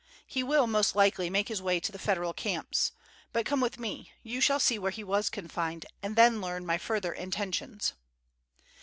He will, most likely, make his way to the Federal camps. But, come with me; you shall see where he was confined, and then learn my further intentions."